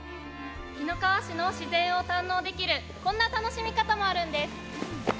紀の川市の自然を堪能できるこんな楽しみ方もあるんです。